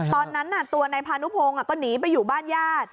ตอนนั้นตัวนายพานุพงศ์ก็หนีไปอยู่บ้านญาติ